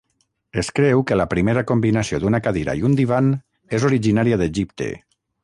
Es creu que la primera combinació d'una cadira i un divan és originària d'Egipte.